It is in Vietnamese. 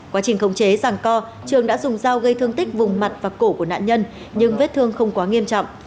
quá trình khống chế rằng co trường đã dùng dao gây thương tích vùng mặt và cổ của nạn nhân nhưng vết thương không quá nghiêm trọng